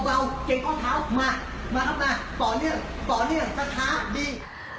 เบาเกร็งก้อนเท้ามามาครับมาต่อเนื่องต่อเนื่องช้าดี